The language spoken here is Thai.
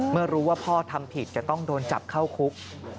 เมื่อรู้ว่าพ่อทำผิดจะต้องโดนจับเข้าคุก